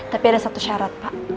tapi ada satu syarat pak